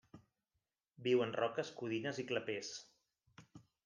Viu en roques codines i clapers.